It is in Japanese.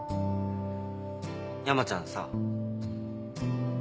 山ちゃんさ。